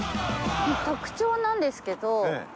特徴なんですけど。